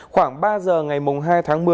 khoảng ba giờ ngày hai tháng một mươi